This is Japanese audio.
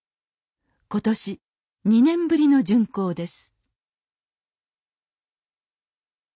今年２年ぶりの巡行です